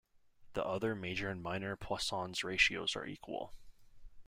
The other major and minor Poisson's ratios are equal.